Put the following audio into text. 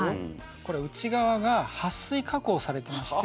これ内側がはっ水加工されてまして。